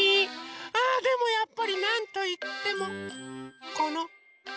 あでもやっぱりなんといってもこのおはな。